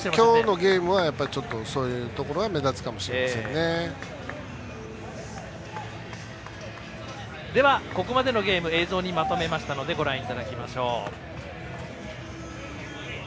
今日のゲームはそういうところがここまでのゲーム映像にまとめましたのでご覧いただきましょう。